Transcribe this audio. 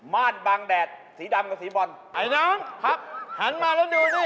มาดบางแดดสีดำกับสีบอนหันมาแล้วดูนี่